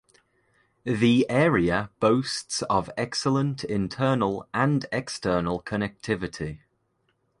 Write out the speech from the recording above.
The area boasts of excellent internal and external connectivity.